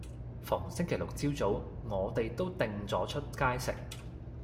逢星期六日朝早，我哋都定咗出街食